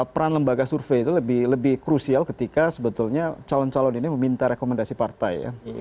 peran lembaga survei itu lebih krusial ketika sebetulnya calon calon ini meminta rekomendasi partai ya